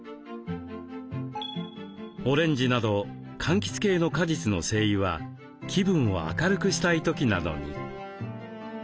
オレンジなどかんきつ系の果実の精油は気分を明るくしたい時などに。